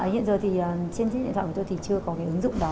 hiện giờ thì trên chiếc điện thoại của tôi thì chưa có cái ứng dụng đó